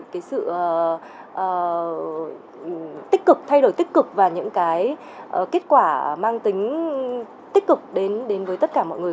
cái sự tích cực thay đổi tích cực và những cái kết quả mang tính tích cực đến với tất cả mọi người